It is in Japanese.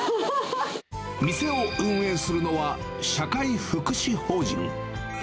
店を運営するのは、社会福祉法人。